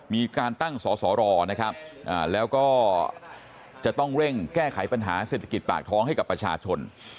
มีการตั้งสอสอรอนะครับแล้วก็จะต้องเร่งแก้ไขปัญหาเศรษฐกิจปากท้องให้กับประชาชน